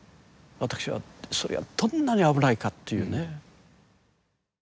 私はそれはどんなに危ないかっていうね。